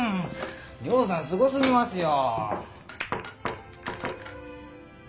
涼さんすごすぎますよ。